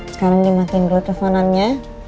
sekarang dimatiin dulu telfonannya